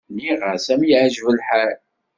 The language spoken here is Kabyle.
Nniɣ-as am yeɛǧeb lḥal.